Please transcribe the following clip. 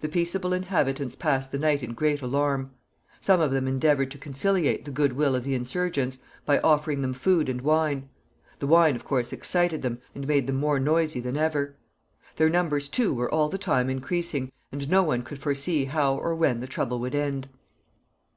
The peaceable inhabitants passed the night in great alarm. Some of them endeavored to conciliate the good will of the insurgents by offering them food and wine. The wine, of course, excited them, and made them more noisy than ever. Their numbers, too, were all the time increasing, and no one could foresee how or when the trouble would end.